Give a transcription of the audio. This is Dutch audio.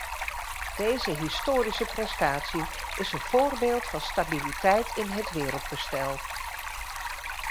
Deze historische prestatie is een voorbeeld van stabiliteit in het wereldbestel.